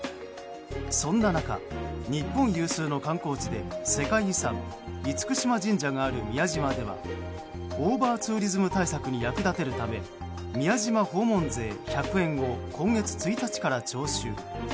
そんな中、日本有数の観光地で世界遺産、厳島神社がある宮島ではオーバーツーリズム対策に役立てるため宮島訪問税１００円を今月１日から徴収。